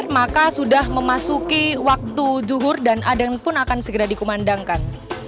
maka sudah memasuki waktu juhur dan adanya pun akan segera dikumandangkan